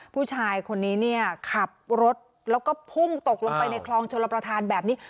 ผู้ชายคนนี้เนี่ยขับรถแล้วก็พุ่งตกลงไปในคลองชลประธานแบบนี้